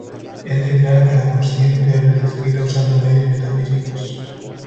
Él declara que la consciencia debe ser descrita usando medios metafísicos.